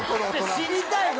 知りたいの！